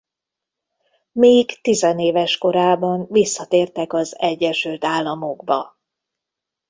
Még tizenéves korában visszatértek az Egyesült Államokba.